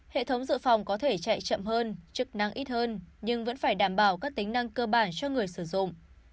hệ thống dự phòng có thể chạy chậm hơn chức năng ít hơn nhưng vẫn phải đảm bảo các tính năng cơ bản cho người sử dụng